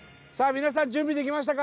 皆さん準備できましたか？